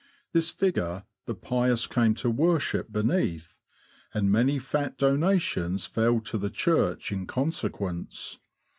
This figure the pious came to worship beneath, and many fat donations fell to the Church in consequence.